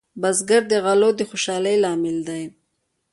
بزګر د غلو د خوشحالۍ لامل دی